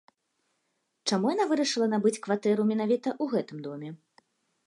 Чаму яна вырашыла набыць кватэру менавіта ў гэтым доме?